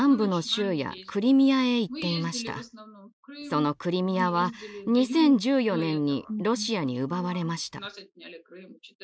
そのクリミアは２０１４年にロシアに奪われました。